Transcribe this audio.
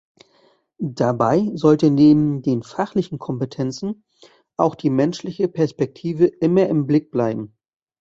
Dabei sollte neben den fachlichen Kompetenzen auch die menschliche Perspektive immer im Blick bleiben.